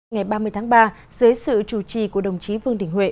ngày ba mươi tháng ba dưới sự chủ trì của đồng chí vương đình huệ